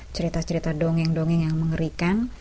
cerita cerita dongeng dongeng yang mengerikan